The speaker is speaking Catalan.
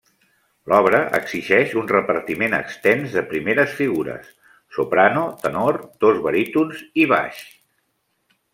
L'obra exigeix un repartiment extens de primeres figures: soprano, tenor, dos barítons i baix.